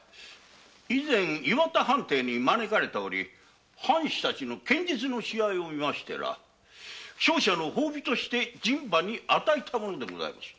以前岩田藩邸に招かれたおり藩士たちの剣術の試合を見ましてな勝者の褒美として陣馬に与えた物でございます。